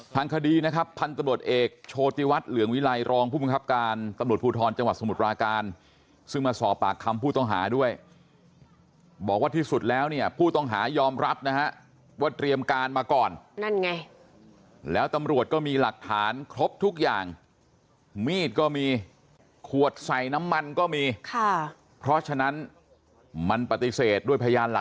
ทางคดีนะครับพันธุ์ตำรวจเอกโชติวัฒน์เหลืองวิลัยรองผู้บังคับการตำรวจภูทรจังหวัดสมุทรปราการซึ่งมาสอบปากคำผู้ต้องหาด้วยบอกว่าที่สุดแล้วเนี่ยผู้ต้องหายอมรับนะฮะว่าเตรียมการมาก่อนนั่นไงแล้วตำรวจก็มีหลักฐานครบทุกอย่างมีดก็มีขวดใส่น้ำมันก็มีค่ะเพราะฉะนั้นมันปฏิเสธด้วยพยานหลัก